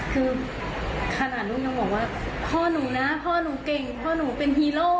คือขนาดลูกยังบอกว่าพ่อนุ่งนะพ่อนุ่งเก่งพ่อนุ่งเป็นฮีโร่